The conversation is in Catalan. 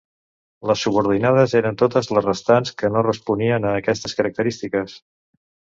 Les subordinades eren totes les restants, que no responien a aquestes característiques.